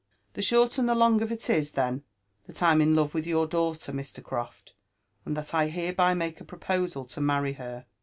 The short and the long of it ia, then, that Vm in love with your daughter, Mr. Croft, and that 1 hereby make a proposal to marry her.